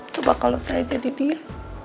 coba kalau saya jadi dia